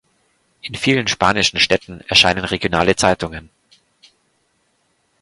In vielen spanischen Städten erscheinen regionale Zeitungen.